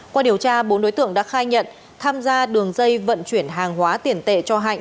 qua điều tra bốn đối tượng đã khai nhận tham gia đường dây vận chuyển hàng hóa tiền tệ cho hạnh